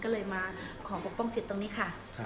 ก็เลยมาขอปกป้องสิทธิ์ตรงนี้ค่ะ